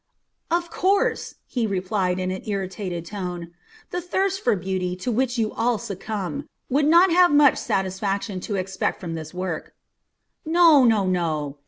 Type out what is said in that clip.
"Of course!" he replied in an irritated tone. "The thirst for beauty, to which you all succumb, would not have much satisfaction to expect from this work." "No, no, no!"